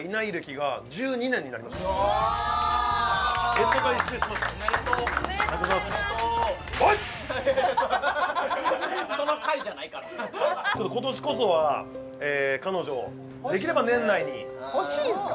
干支が一周しましたおめでとうおめでとうございますその会じゃないから今年こそは彼女できれば年内にほしいんすか？